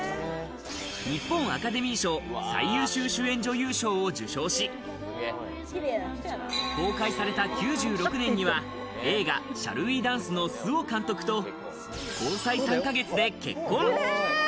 日本アカデミー賞・最優秀主演女優賞を受賞し、公開された９６年には映画『Ｓｈａｌｌｗｅダンス？』の周防監督と交際３ヶ月で結婚。